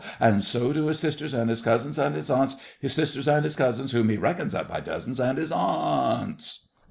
And so do his sisters, and his cousins, and his aunts! His sisters and his cousins, Whom he reckons up by dozens, And his aunts!